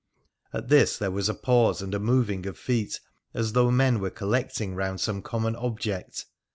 ' At this there was a pause and a moving of feet, as though men were collecting round some common object.